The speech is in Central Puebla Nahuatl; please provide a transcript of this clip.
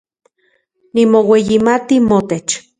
Nimoueyimati motech